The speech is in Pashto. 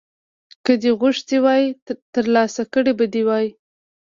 که دې غوښتي وای ترلاسه کړي به دې وو.